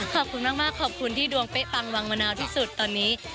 ขอบคุณมากขอบคุณที่ดวงเป๊ะปังวังมะนาวที่สุดตอนนี้